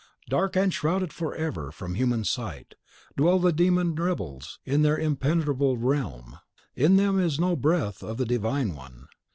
Dark, and shrouded forever from human sight, dwell the demon rebels, in their impenetrable realm; in them is no breath of the Divine One.